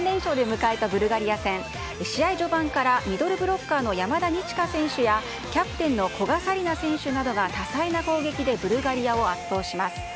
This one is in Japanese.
試合序盤からミドルブロッカーの山田二千華選手やキャプテンの古賀紗理那選手などが多彩な攻撃で多彩な攻撃でブルガリアを圧倒します。